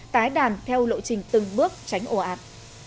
tái đàn theo lộ trình từng bước tránh ổ ạt